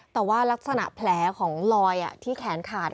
แต่ว่ารักษณะแผลของลอยที่แขนขาด